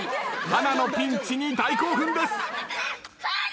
華のピンチに大興奮です。